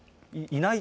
いない？